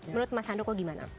menurut mas handoko gimana